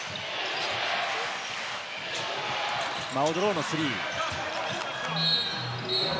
マオド・ローのスリー。